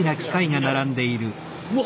うわ！